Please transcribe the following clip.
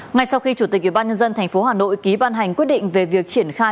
ngay sau khi chủ tịch ubnd tp hà nội ký ban hành quyết định về việc triển khai